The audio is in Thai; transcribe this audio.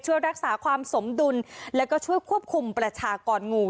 ช่วยรักษาความสมดุลแล้วก็ช่วยควบคุมประชากรงู